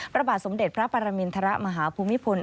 พระบาทสมเด็จพระปรมินทรมาฮภูมิพล